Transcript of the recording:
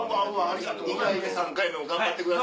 ２回目３回目も頑張ってください。